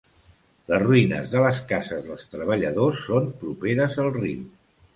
Les ruïnes de les cases dels treballadors són properes al riu.